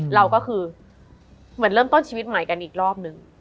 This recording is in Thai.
เราก็คือเหมือนเริ่มต้นชีวิตใหม่กันอีกรอบนึง